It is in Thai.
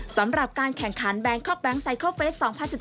สำหรับการแข่งขันแบงคอกแก๊งไซเคิลเฟส๒๐๑๙